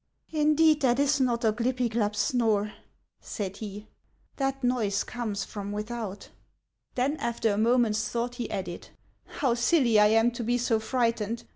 "Indeed, that is not Oglypiglap's snore," said he; "that noise comes from without." Then, after a moment's thought, he added :" How silly I am to be so frightened !